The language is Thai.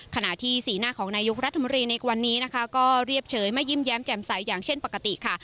ขณะที่สีหน้าของนายกรัฐมนตรีในวันนี้นะคะก็เรียบเฉยไม่ยิ้มแย้มแจ่มใสอย่างเช่นปกติค่ะ